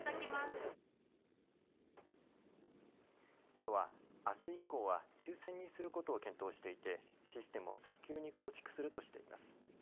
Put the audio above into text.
都は、あす以降は抽せんにすることを検討していてシステムを早急に構築するとしています。